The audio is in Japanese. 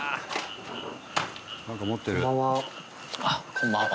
こんばんは。